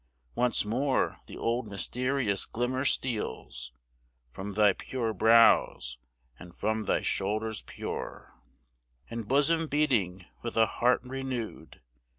Once more the old mysterious glimmer steals From thy pure brows, and from thy shoulders pure, And bosom beating with a heart renew'd.